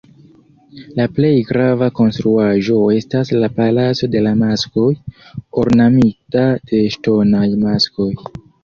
La plej grava konstruaĵo estas la "palaco de la maskoj", ornamita de ŝtonaj maskoj.